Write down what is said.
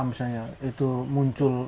misalnya itu muncul